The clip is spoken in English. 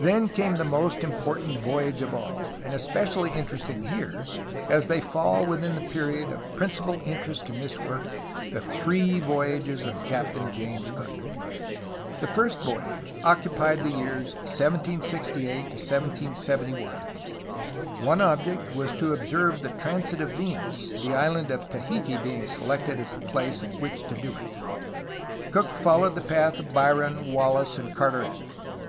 Then came the most important voyage of all, and espe cially interesting here, as they fall within the period of principal interest in this work, the three voyages of Captain James Cook. The first voyage occupied the years 1768 1771. One object was to observe the transit of Venus, the Island of Tahiti being selected as the place at which to do it. Cook followed the path of Biron, Wallis, and Carteret.